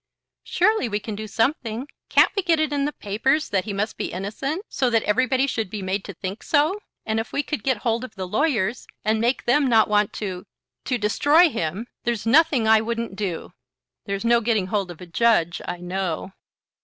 "Surely we can do something. Can't we get it in the papers that he must be innocent, so that everybody should be made to think so? And if we could get hold of the lawyers, and make them not want to to destroy him! There's nothing I wouldn't do. There's no getting hold of a judge, I know."